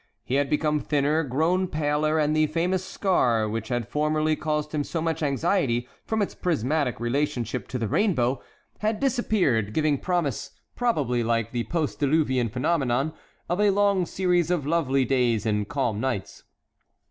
He had become thinner, grown paler, and the famous scar which had formerly caused him so much anxiety from its prismatic relationship to the rainbow had disappeared, giving promise, probably like the post diluvian phenomenon, of a long series of lovely days and calm nights.